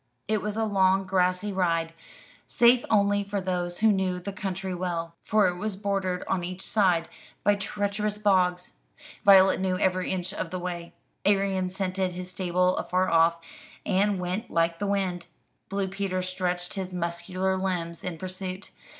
It was a long grassy ride, safe only for those who knew the country well, for it was bordered on each side by treacherous bogs. Violet knew every inch of the way. Arion scented his stable afar off, and went like the wind; Blue Peter stretched his muscular limbs in pursuit.